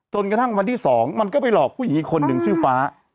จนกระทั่งวันที่๒มันก็ไปหลอกผู้หญิงอีกคนนึงชื่อฟ้า